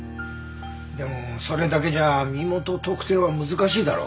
でもそれだけじゃ身元特定は難しいだろう。